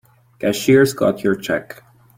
Cashier's got your check.